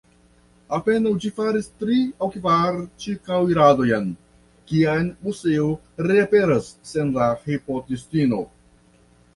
Apenaŭ ĝi faris tri aŭ kvar ĉirkaŭiradojn, kiam Moseo reaperas sen la hipnotistino.